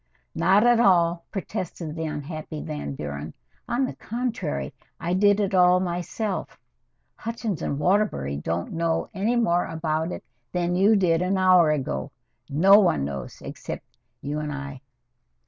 "Not at all," protested the unhappy Van Buren. "On the contrary, I did it all myself. Hutchins & Waterbury don't know any more about it than you did an hour ago. No one knows except you and I."